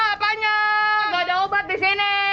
apa apa tidak ada obat di sini